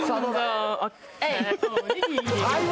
はい。